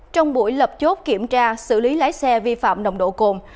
trong buổi lập chốt kiểm tra xử lý lái xe vi phạm nồng độ cồn